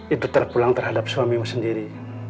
itu terpulang terhadap suamimu sendiri